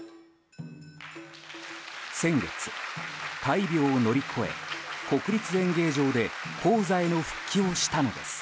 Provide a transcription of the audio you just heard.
先月、大病を乗り越え国立演芸場で高座への復帰をしたのです。